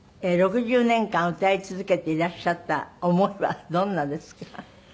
６０年間歌い続けていらっしゃった思いはどんなですか？